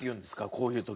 こういう時。